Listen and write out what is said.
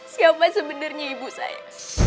siapa sebenernya ibu saya